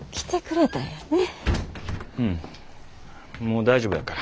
もう大丈夫やから。